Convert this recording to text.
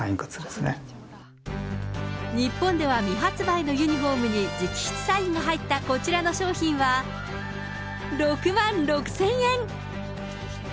日本では未発売のユニホームに直筆サインの入ったこちらの商品は、６万６０００円。